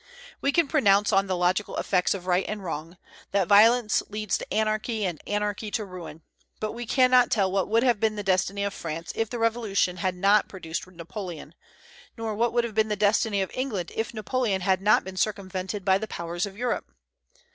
We can pronounce on the logical effects of right and wrong, that violence leads to anarchy, and anarchy to ruin; but we cannot tell what would have been the destiny of France if the Revolution had not produced Napoleon, nor what would have been the destiny of England if Napoleon had not been circumvented by the powers of Europe.